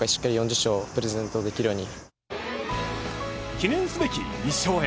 記念すべき１勝へ。